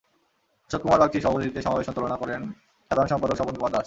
অশোক কুমার বাগচির সভাপতিত্বে সমাবেশ সঞ্চালনা করেন সাধারণ সম্পাদক স্বপন কুমার দাস।